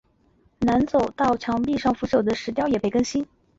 南走道墙壁上腐朽的石雕也被更新。